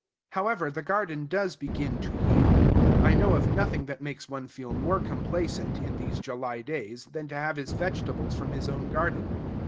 However, the garden does begin to yield. I know of nothing that makes one feel more complacent, in these July days, than to have his vegetables from his own garden.